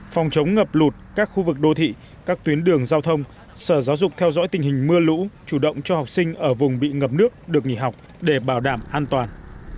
phòng chống ngập lụt các khu vực đô thị các tuyến đường giao thông sở giáo dục theo dõi tình hình mưa lũ chủ động cho học sinh ở vùng bị ngập nước được nghỉ học để bảo đảm an toàn